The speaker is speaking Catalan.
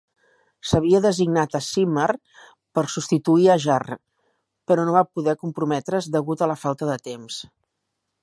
S"havia designat a Zimmer per substituir a Jarre, però no va poder comprometre"s degut a la falta de temps.